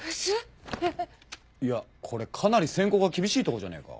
いやこれかなり選考が厳しいとこじゃねえか。